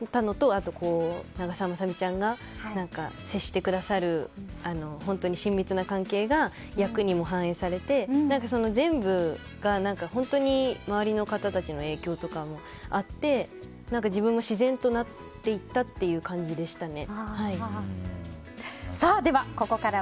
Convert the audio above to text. あと、長澤まさみちゃんが接してくださる本当に親密な関係が役にも反映されて、全部が本当に周りの方たちの影響とかもあって自分も自然となっていったっていう感じですね。